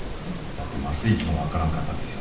だって麻酔機も分からんかったんですよ。